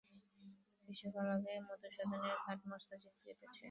কিছুকাল আগেই মধুসূদনের ঘোড়া মস্ত জিত জিতেছে।